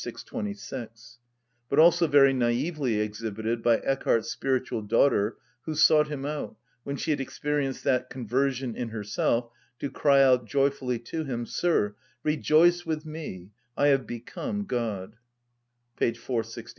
626), but also very naïvely exhibited by Eckhard's spiritual daughter, who sought him out, when she had experienced that conversion in herself, to cry out joyfully to him, "Sir, rejoice with me, I have become God" (_loc. cit.